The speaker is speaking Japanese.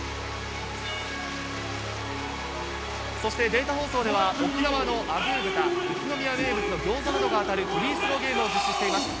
そしてデータ放送では沖縄のアグー豚、宇都宮名物の餃子などが当たるフリースローゲームを実施しています。